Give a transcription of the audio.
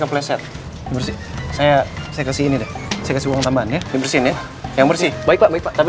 kepleset saya saya kasih ini deh saya kasih uang tambahan ya diberi sini yang bersih baik baik tapi